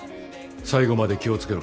最後まで気をつけろ。